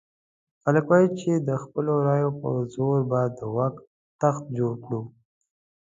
خلک وایي چې د خپلو رایو په زور به د واک تخت جوړ کړو.